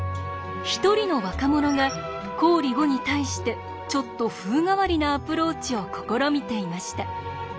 一人の若者が公理５に対してちょっと風変わりなアプローチを試みていました。